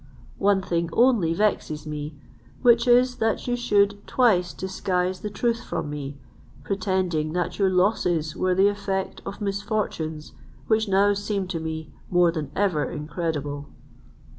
One thing only vexes me, which is, that you should twice disguise the truth from me, pretending that your losses were the effect of misfortunes which now seem to me more than ever incredible.